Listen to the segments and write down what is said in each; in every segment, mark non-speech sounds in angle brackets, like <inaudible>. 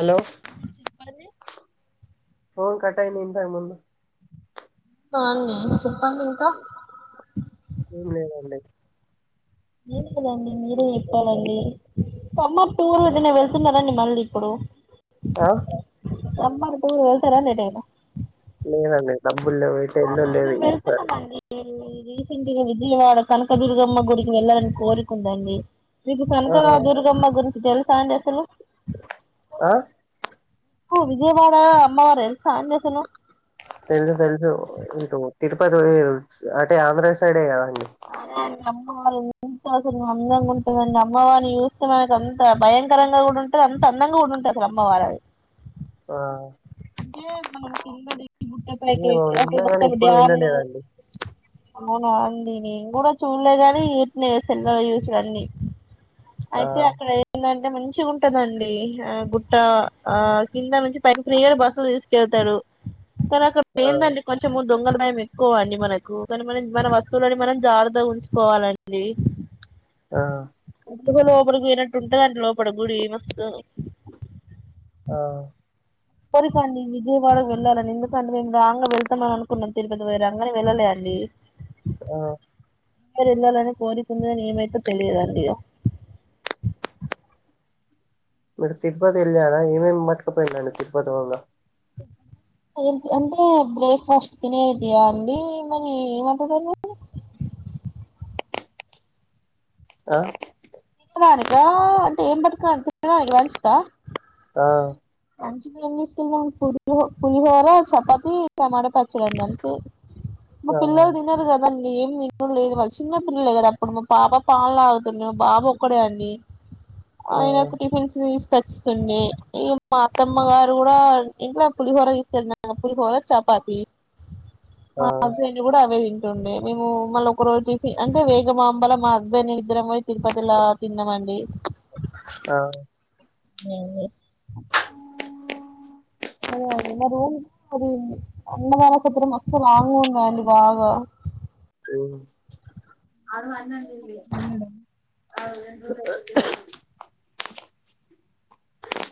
Hello అ చెప్పద phone కటాయిని ఇంతా ముందు కాే చెప్పండి ఇంకా లేదండి ఉ చెండి మీరే చెప్పాలండి ఖమ్మ టూర్ ఎటైనా వెళ్తున్నారండి మళ్ళీ ఇప్పుడు ఆ సమ్మరుకు ఏళ్ళతారా లేటైదా లేదండి దం అవునా మేం వెళ్తున్నమండీ ఈ ఇది ఇంటిగా విజయవాడ కనకదుర్గమ్మ గుడికి వెళ్ళాలని కోరుకుందండి. నీకు కనుక ఆ దుర్గమ్మ గురు జేల సానా చేస్తరు ఆ ఆ విజయవాడ అమ్మవారుఎలుసండి అసలు తెలుసు తెలుసు ఇటు తిరుపతి పోయే రూట్స్ ఆటే ఆంధ్ర సైడే కదండ అందేండి, అమ్మవారిని చూస్తే అసలు అందంగా ఉంటదండీ. అమ్మవారిని చూస్తే మనకు అంత భయంకరంగా కూడా ఉంటది. అంత అందంగా కూడా ఉంటది. అసలు అమ్మవారు అద ఆ అంటే మనం కింద దిపి గుట్టపైకి ఏమో ఎక్ ఒకే విన్నా గాని రాకతము ఎప్పుడు డ్యాములు వెళ్ళలేదండి అవునా అండి నేను కూడా చూడలేగాని ఇట్నా ఏస్తారని యుచరని ఆ అయితే అక్కడ ఎందన్ దా మంచిగుంటదండి. ఆ గుట్ట ఆ కింద నుంచి పై ప్రియలు బస్సులు తీసుకెళ్తారు. కొనక్ అక్కడ ఆ ఏందండి. కొంచమున్ దొంగల భయం ఎక్కువండి. మనకు కానీ మనం మన వస్తువులని మనం జాగ్రత్తగా ఉంచుకోవాలండి. ఆహా లో లోపడికి పోయినట్టుటదంట్ లోపలి గుడి ఇంగా మస్తో ఆ పోరీసండీ. విజయవాడ వెళ్ళాలని ఎందుకంటే, మేమ్ రాంగ వెళ్తామని అనుకున్నాం తిరుపతి పోయి రాంగానే వెళ్ళలేండి. ఆ అందరూ ఏళ్లాలని కోరిక ఉంది. గాని ఏమైతో తెలియదండి. ఇగా మీరు తిరుపతి యేలారా, ఏమేమ్ పట్టుకుపోయిడండి. తిరుపతి పోంగా అదేంట్ అంటే బ్రేక్ ఫాస్ట్ తినేటియండి మరి ఏమంటారు దాని ఆ రానికా అంటే ఏం పట్టురావాలి తినడానికి లంచ్ కా ఆ లంచ్ కి ఏం తీసుకెళ్దాం. పులహో పులిహోర చపాతి టమాటా పచ్చడండి అంతే మా ఆ పిల్లలు తినరు గందండి. ఏం తినడం లేదు వాళ్ళు చిన్న పిల్లలే కదా. అప్పుడు మా పాప పాలు తాగుతుంది. మా బాబు ఒక కోడే అండి ఆ ఆయనకు టిఫిన్స్ తీస్ తచుతుంది. ఇగ్ మా అత్తమ్మ గారు కూడా ఇంట్లో పులిహోర తీసుకెళ్లినా పులిహోర చపాతి. ఆ మా హస్బెండ్ కూడా ఆవేయిన్ తృండే మేము మళ్ళా ఒక రోజుకి జూసి అంటే వేగమాంబల మా హస్బెండ్ మీమీద్దరం బోయి తిరుపతి లా తిన్నమండి. ఆ నీనే అదే అదే మ రూమ్ అది అన్నదాన సత్రం మస్తు లాంగ్ అండి బాగా ఉమ్ అరున్ అన్నం తినలే వెళ్ళడా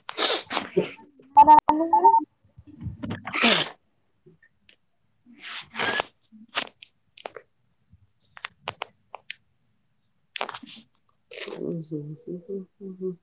<unintelligible> <unintelligible> ఉహూ